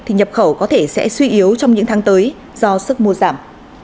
thì nhập khẩu có thể sẽ suy yếu trong những tháng tới do sức mua giảm